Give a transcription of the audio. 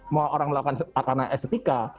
mau orang melakukan karena estetika